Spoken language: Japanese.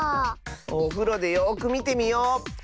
おふろでよくみてみよう。